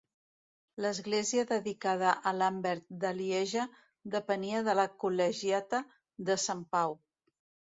L'església dedicada a Lambert de Lieja depenia de la Col·legiata de Sant Pau.